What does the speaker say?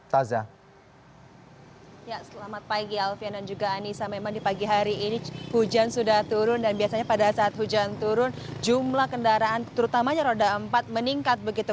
ya selamat pagi alfian dan juga anissa memang di pagi hari ini hujan sudah turun dan biasanya pada saat hujan turun jumlah kendaraan terutamanya roda empat meningkat begitu